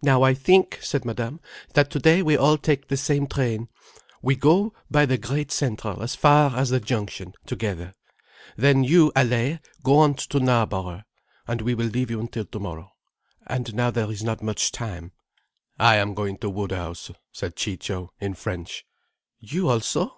"Now I think," said Madame, "that today we all take the same train. We go by the Great Central as far as the junction, together. Then you, Allaye, go on to Knarborough, and we leave you until tomorrow. And now there is not much time." "I am going to Woodhouse," said Ciccio in French. "You also!